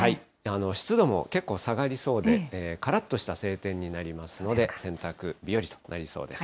湿度も結構下がりそうで、からっとした晴天になりますので、洗濯日和となりそうです。